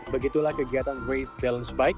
begitulah kegiatan race balance bike